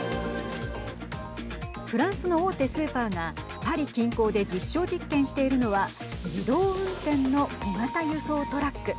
フランスの大手スーパーがパリ近郊で実証実験しているのは自動運転の小型輸送トラック。